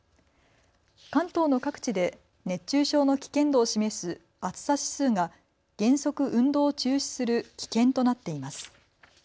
関東の各地で熱中症の危険度を示す暑さ指数が原則、運動を中止する危険となっています。